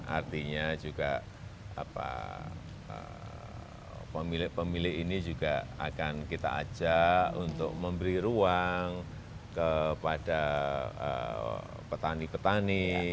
artinya juga pemilik pemilik ini juga akan kita ajak untuk memberi ruang kepada petani petani